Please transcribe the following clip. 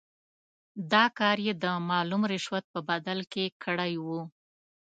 دا کار یې د معلوم رشوت په بدل کې کړی وو.